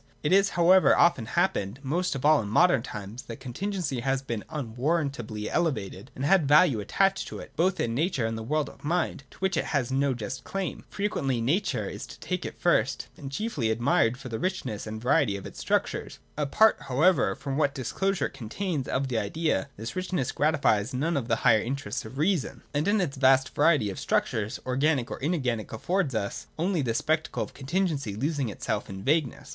It has however often happened, most of all in modern times, that contingency has been un warrantably elevated, and had a value attached to it, both in nature and the world of mind, to which it has no just claim. Frequently Nature — to take it first, — has been chiefly admired for the richness and variety of its structures. Apart, how ever, from what disclosure it contains of the Idea, this rich ness gratifies none of the higher interests of reason, and in 264 THE DOCTRINE OF ESSENCE. [i45 its vast variety of structures, organic and inorganic, affords us only the spectacle of a contingency losing itself in vagueness.